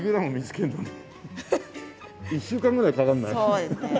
そうですね。